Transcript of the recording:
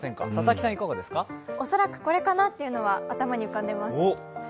恐らくこれかなというのは頭に浮かんでいます。